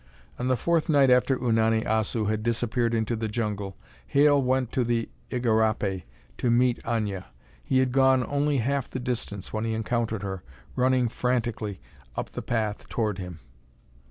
On the fourth night after Unani Assu had disappeared into the jungle, Hale went to the igarapé to meet Aña. He had gone only half the distance when he encountered her, running frantically up the path toward him.